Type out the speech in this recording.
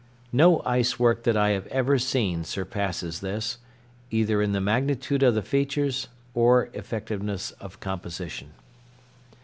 No ice work that I have ever seen surpasses this, either in the magnitude of the features or effectiveness of composition.